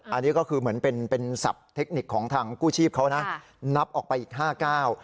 อันนี้ก็คือเหมือนเป็นเป็นศัพท์เทคนิคของทางกู้ชีพเขานะนับออกไปอีกห้าก้าว